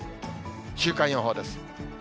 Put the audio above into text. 週間予報です。